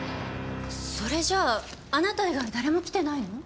それじゃああなた以外誰も来てないの？